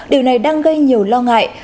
điều này đang gây nhiều lo ngại